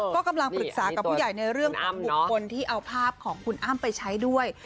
ก็กำลังปรึกษากับผู้ใหญ่ในเรื่องของบุคคลที่เอาภาพของคุณอ้ำไปใช้ด้วย